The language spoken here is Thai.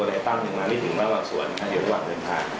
ตอนนี้ตัวอะไรตั้งหนึ่งมาไม่ถึงบ้างบางส่วนครับเดี๋ยวถึงหวังเป็นทาง